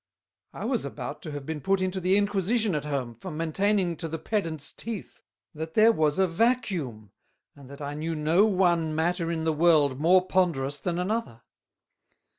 I was about to have been put into the Inquisition at home, for maintaining to the Pedants Teeth, That there was a Vacuum, and that I knew no one matter in the World more Ponderous than another."